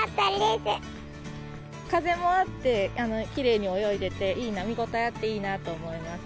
風もあって、きれいに泳いでて、見応えあっていいなと思います。